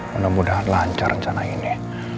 mudah mudahan lancar rencana ini